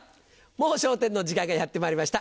『もう笑点』の時間がやってまいりました。